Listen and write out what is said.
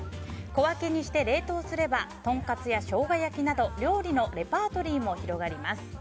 小分けにして冷凍すればとんかつやしょうが焼きなど料理のレパートリーも広がります。